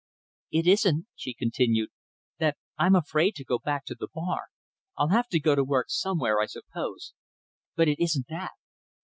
"It isn't," she continued, "that I'm afraid to go back to the bar. I'll have to go to work some where, I suppose, but it isn't that.